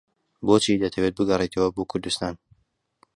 بۆچی دەتەوێت بگەڕێیتەوە بۆ کوردستان؟